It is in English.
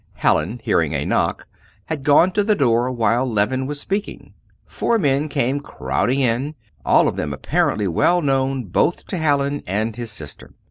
Hallin, hearing a knock, had gone to the door while Leven was speaking. Four men came crowding in, all of them apparently well known both to Hallin and his sister.